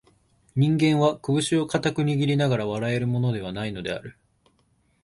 人間は、こぶしを固く握りながら笑えるものでは無いのである